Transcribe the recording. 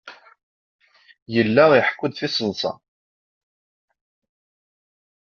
Yella iḥekku-d tiseḍsa.